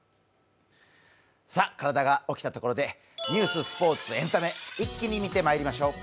体が起きたところでニュース、スポーツ、エンタメ、一気に見てまいりましょう。